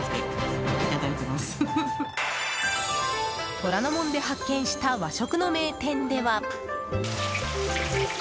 虎ノ門で発見した和食の名店では。